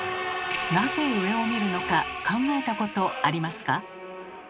なぜ上を見るのか考えたことありますか？